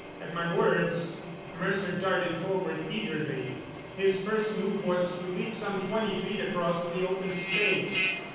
At my words Mercer darted forward eagerly. His first move was to leap some twenty feet across the open space.